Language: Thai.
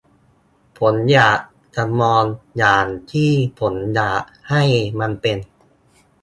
ผมอยากจะมองอย่างที่ผมอยากให้มันเป็น ?